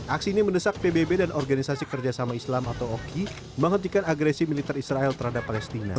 aksi ini mendesak pbb dan organisasi kerjasama islam atau oki menghentikan agresi militer israel terhadap palestina